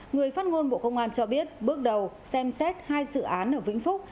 người phát ngôn bộ công an cho biết bước đầu xem xét hai dự án ở vĩnh phúc